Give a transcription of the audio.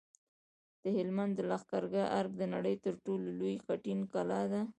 د هلمند د لښکرګاه ارک د نړۍ تر ټولو لوی خټین کلا ده